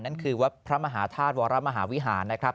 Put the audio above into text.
นั่นคือวัดพระมหาธาตุวรมหาวิหารนะครับ